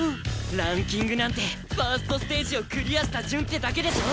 ランキングなんて１ｓｔステージをクリアした順ってだけでしょ？